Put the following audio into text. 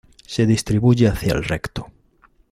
Se distribuye hacia el recto.